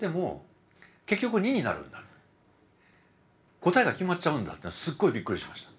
答えが決まっちゃうんだってのはすごいびっくりしました。